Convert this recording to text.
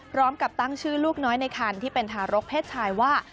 พร้อมกับตั้งชื่อลูกน้อยในคันที่เป็นทารกเพศชายว่า